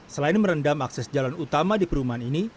selain merendam akses jalan utama di perumahan ini